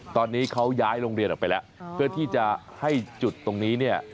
ตอนนี้เขาย้ายโรงเรียนออกไปแล้วเพื่อที่จะให้จุดตรงนี้เนี่ย